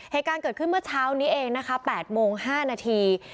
เหตุการณ์เกิดขึ้นเมื่อเช้านี้เองนะคะ๘โมง๕นาที